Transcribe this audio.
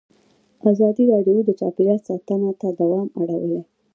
ازادي راډیو د چاپیریال ساتنه ته پام اړولی.